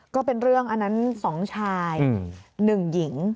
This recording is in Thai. ก็เป็นเรื่องอันนั้นสองชายหนึ่งหญิง